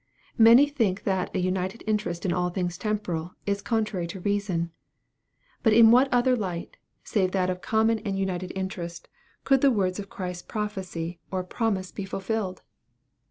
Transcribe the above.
Many think that a united interest in all things temporal is contrary to reason. But in what other light, save that of common and united interest, could the words of Christ's prophecy or promise be fulfilled?